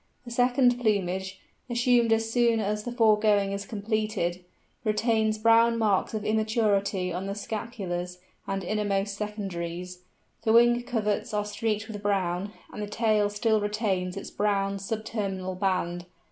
The second plumage—assumed as soon as the foregoing is completed—retains brown marks of immaturity on the scapulars and innermost secondaries; the wing coverts are streaked with brown, and the tail still retains its brown sub terminal band.